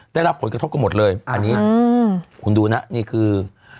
ได้รับผลกระทบกันหมดเลยอันนี้คุณดูนะนี่คือ